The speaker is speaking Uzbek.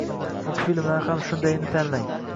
Multfilmlarni ham shundayini tanlang.